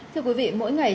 thưa quý vị mỗi ngày